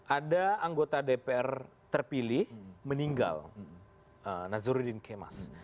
ada anggota dpr terpilih meninggal nazarudin kemas